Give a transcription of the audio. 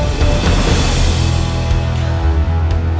supaya tenang semuanya